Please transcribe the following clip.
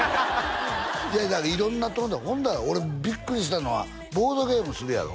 いやだから色んなとこでほんなら俺ビックリしたのはボードゲームするやろ？